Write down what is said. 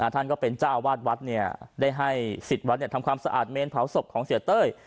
ท่านก็เป็นเจ้าอาวาสวัดได้ให้สิทธิ์วัดทำความสะอาดเมนเผาศพของเสียเต้ย